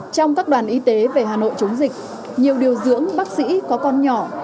trong các đoàn y tế về hà nội chống dịch nhiều điều dưỡng bác sĩ có con nhỏ